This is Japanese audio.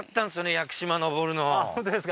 屋久島登るのあ